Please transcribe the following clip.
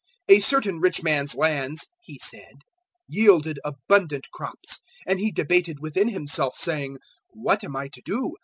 "A certain rich man's lands," He said, "yielded abundant crops, 012:017 and he debated within himself, saying, "`What am I to do?